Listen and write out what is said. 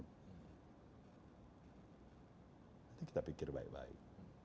nanti kita pikir baik baik